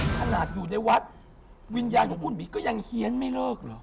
ขนาดอยู่ในวัดวิญญาณของคุณหมีก็ยังเฮียนไม่เลิกเหรอ